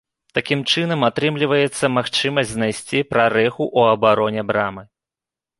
Такім чынам атрымліваецца магчымасць знайсці прарэху ў абароне брамы.